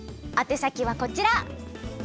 あて先はこちら。